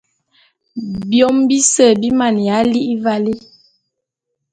Biôm bise bi maneya li'i valé.